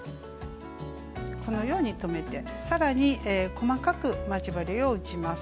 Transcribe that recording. このように留めてさらに細かく待ち針を打ちます。